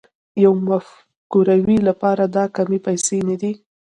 د يوې مفکورې لپاره دا کمې پيسې نه دي